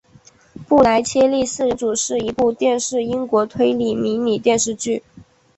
布莱切利四人组是一部电视英国推理迷你电视剧。